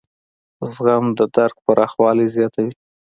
زغم د درک پراخوالی زیاتوي.